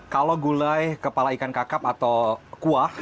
kalau gulai kepala ikan kakap atau kuah